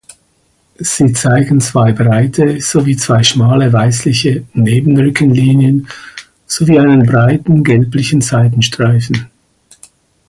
Sie zeigen zwei breite sowie zwei schmale weißliche Nebenrückenlinien sowie einen breiten gelblichen Seitenstreifen.